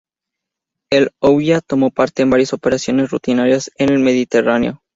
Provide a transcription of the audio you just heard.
El "Ulloa" tomó parte en varias operaciones rutinarias en el Mediterráneo.